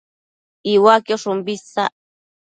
Iuaquiosh umbi isac